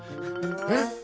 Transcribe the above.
えっ？